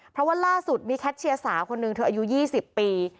เพราะว่าล่าสุดมีแคทเชียร์สาวคนหนึ่งเธออายุ๒๐ปี